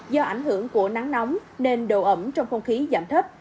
do ảnh hưởng của nắng nóng nên độ ẩm trong không khí giảm thấp